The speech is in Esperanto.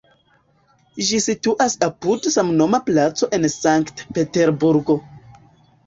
Ĝi situas apud samnoma placo en Sankt-Peterburgo.